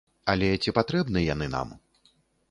Але ці патрэбны яны нам?